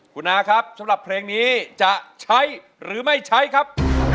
คุณอาครับสำหรับเพลงนี้จะใช้หรือไม่ใช้ครับ